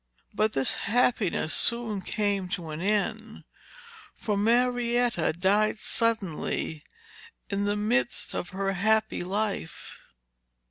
But this happiness soon came to an end, for Marietta died suddenly in the midst of her happy life.